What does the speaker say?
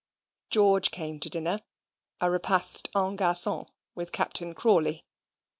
George came to dinner a repast en garcon with Captain Crawley.